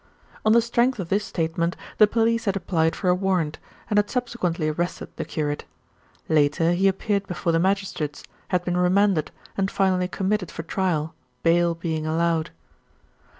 On the strength of this statement the police had applied for a warrant, and had subsequently arrested the curate. Later he appeared before the magistrates, had been remanded, and finally committed for trial, bail being allowed.